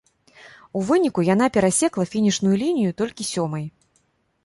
У выніку яна перасекла фінішную лінію толькі сёмай.